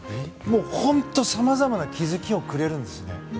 本当、さまざまな気付きをくれるんですよね。